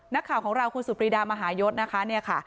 นักข่าวของเราคุณสุปรีดามหายศนะคะเนี่ยค่ะ